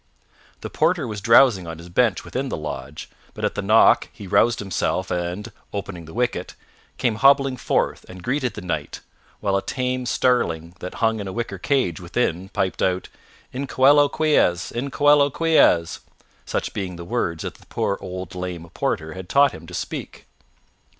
The porter was drowsing on his bench within the lodge, but at the knock he roused himself and, opening the wicket, came hobbling forth and greeted the Knight, while a tame starling that hung in a wicker cage within piped out, "In coelo quies! In coelo quies!" such being the words that the poor old lame porter had taught him to speak.